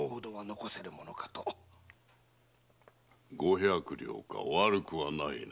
五百両か悪くはないな。